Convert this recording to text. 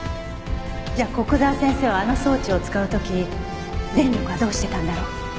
じゃあ古久沢先生はあの装置を使う時電力はどうしてたんだろう。